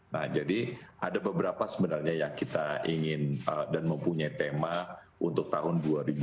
nah jadi ada beberapa sebenarnya yang kita ingin dan mempunyai tema untuk tahun dua ribu dua puluh satu dua ribu dua puluh dua